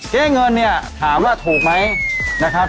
เงินเนี่ยถามว่าถูกไหมนะครับ